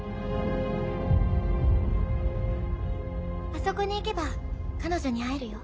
あそこに行けば彼女に会えるよ